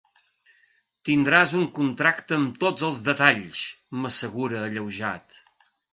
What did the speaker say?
Tindràs un contracte amb tots els detalls —m'assegura alleujat.